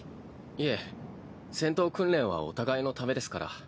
いえ戦闘訓練はお互いのためですから。